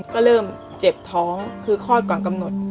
ก็เริ่มเจ็บท้องคือคลอดก่อนกำหนด